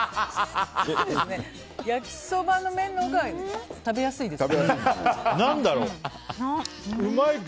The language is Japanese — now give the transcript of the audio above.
焼きそばの麺のほうが食べやすいですね。